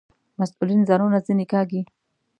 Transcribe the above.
مسئولین ځانونه ځنې کاږي.